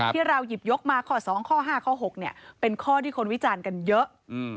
ที่เราหยิบยกมาข้อ๒ข้อ๕ข้อ๖เป็นข้อที่คนวิจารณ์กันเยอะ